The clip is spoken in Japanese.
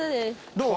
どう？